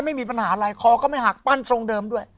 ไม่มีปัญหาอะไรคอก็ไม่หักปั้นตรงเดิมด้วย